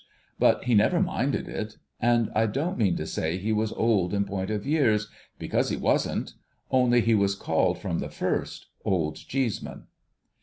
But he never minded it. And I don't mean to say he was old in point of years — because he wasn't — only he was called from the first. Old Cheeseman.